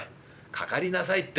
「かかりなさいって。